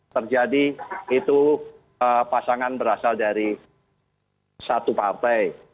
terjadi itu pasangan berasal dari satu partai